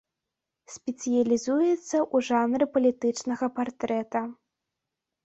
Спецыялізуецца ў жанры палітычнага партрэта.